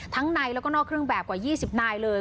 ในแล้วก็นอกเครื่องแบบกว่า๒๐นายเลย